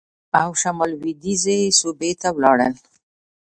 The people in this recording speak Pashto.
او شمال لوېدیځې صوبې ته ولاړل.